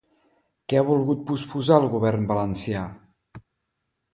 Què ha volgut posposar el govern valencià?